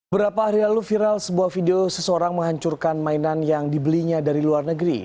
berapa hari lalu viral sebuah video seseorang menghancurkan mainan yang dibelinya dari luar negeri